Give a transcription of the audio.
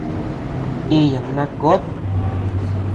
Íyaam na kuoʼo.